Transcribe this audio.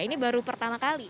ini baru pertama kali